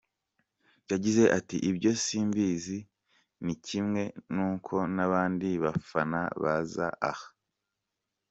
Yagize ati “Ibyo simbizi, ni kimwe n’uko n’abandi bafana baza aha.